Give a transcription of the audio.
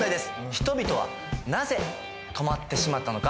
人々はなぜ止まってしまったのか？